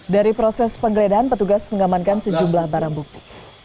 dari proses pengeledahan petugas mengamankan sejumlah barang buku